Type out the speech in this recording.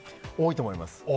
多いと思います。